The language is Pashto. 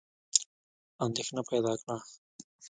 اندېښنه پیدا کړه.